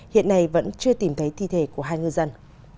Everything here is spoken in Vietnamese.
hiện nay vẫn chưa tìm thấy thi thể của hai ngư dân